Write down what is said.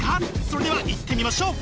それではいってみましょう！